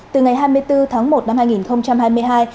từ ngày hai mươi bốn tháng một năm hai nghìn hai mươi hai